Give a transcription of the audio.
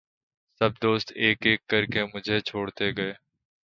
سب دوست ایک ایک کرکے مُجھے چھوڑتے گئے